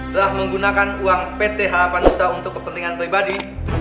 telah menggunakan uang pt harapan nusa untuk kepentingan pribadi